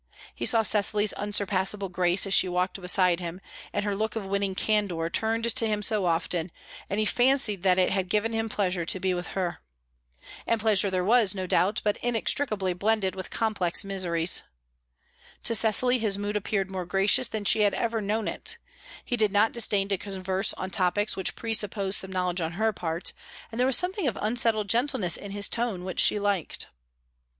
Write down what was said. He saw Cecily's unsurpassable grace as she walked beside him, and her look of winning candour turned to him so often, and he fancied that it had given him pleasure to be with her. And pleasure there was, no doubt, but inextricably blended with complex miseries. To Cecily his mood appeared more gracious than she had ever known it; he did not disdain to converse on topics which presupposed some knowledge on her part, and there was something of unusual gentleness in his tone which she liked.